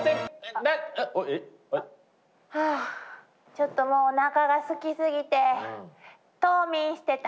ちょっともうおなかがすきすぎて冬眠してた。